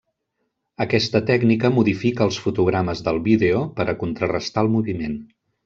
Aquesta tècnica modifica els fotogrames del vídeo per a contrarestar el moviment.